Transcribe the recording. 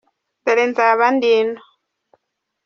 Dore nzaba nd’ino